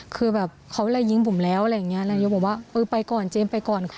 คือแบบเขาเลยยิงผมแล้วอะไรอย่างนี้นายกบอกว่าเออไปก่อนเจมส์ไปก่อน